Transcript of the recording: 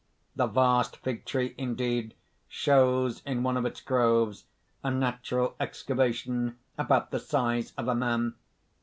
] (_The vast fig tree, indeed, shows in one of its groves, a natural excavation about the size of a man.